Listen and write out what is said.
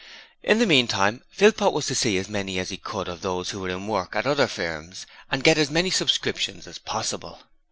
In the meantime, Philpot was to see as many as he could of those who were in work, at other firms and get as many subscriptions as possible.